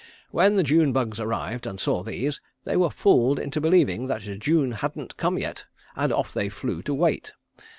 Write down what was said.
When the June bugs arrived and saw these, they were fooled into believing that June hadn't come yet, and off they flew to wait.